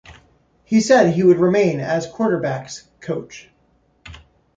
He said he would remain as quarterbacks coach.